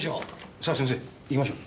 さあ先生行きましょう。